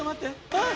あっ！